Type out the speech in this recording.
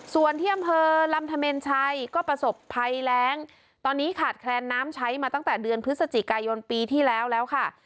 ส่วนที่อำเภอลำธเมนชัยก็ประสบภัยแรงตอนนี้ขาดแคลนน้ำใช้มาตั้งแต่เดือนพฤศจิกายนปีที่แล้วแล้วค่ะ